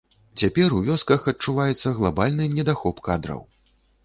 Цяпер у вёсках адчуваецца глабальны недахоп кадраў.